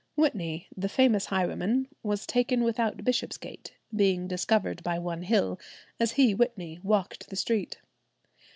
Whitney, the famous highwayman, was taken without Bishopsgate, being "discovered by one Hill, as he (Whitney) walked the street.